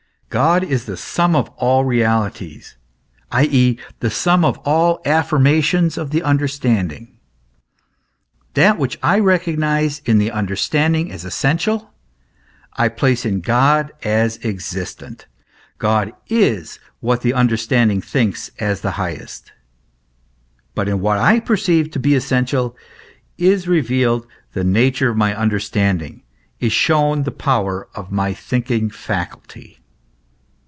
God is the sum of all realities, i.e. the sum of all affirmations of the understanding. That which I recognise in the understanding as essential, I place in God as existent : God is, what the understanding thinks as the highest. But in what I per ceive to be essential, is revealed the nature of my under standing, is shown the power of my thinking faculty.